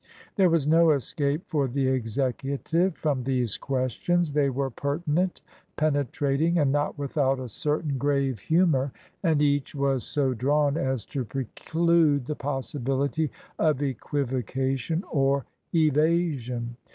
There was no escape for the Executive from these questions: they were pertinent, penetrating, and not without a certain grave humor, and each was so drawn as to pre clude the possibility of equivocation or evasion.